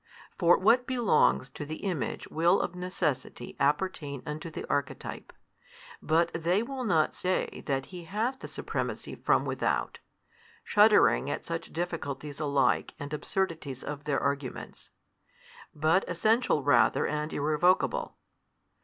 For what belongs to the Image will of necessity appertain unto the Archetype. But they will not say that He hath the supremacy from without (shuddering at such difficulties alike and absurdities of their arguments), but Essential rather and irrevocable.